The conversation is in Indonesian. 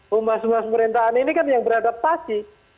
humas humas pemerintahan ini kan yang beradaptasi